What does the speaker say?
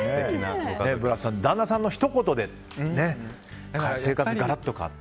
ブラスさん、旦那さんのひと言で生活がガラッと変わって。